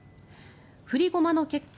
振り駒の結果